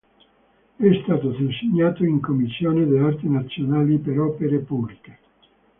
È stato designato in Commissioni d'arte nazionali per opere pubbliche.